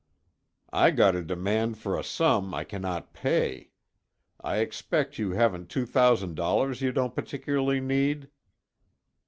"I got a demand for a sum I cannot pay. I expect you haven't two thousand dollars you don't particularly need?"